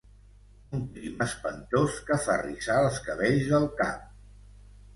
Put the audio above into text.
Un crim espantós que fa rissar els cabells del cap!